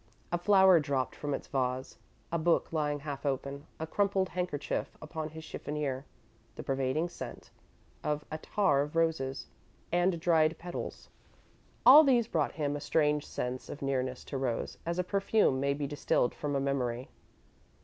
A flower dropped from its vase, a book lying half open, a crumpled handkerchief upon his chiffonier, the pervading scent of attar of roses and dried petals all these brought him a strange sense of nearness to Rose, as a perfume may be distilled from a memory.